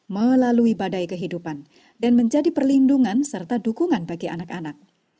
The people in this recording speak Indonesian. melalui badai kehidupan dan menjadi perlindungan serta dukungan bagi anak anak